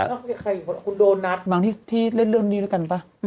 ใครอยู่กันคุณโดนัสบางทีที่เล่นเรื่องนี้ด้วยกันป่ะ